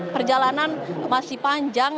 perjalanan masih panjang